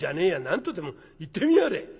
何とでも言ってみやがれ！」。